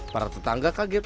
para tetangga kaget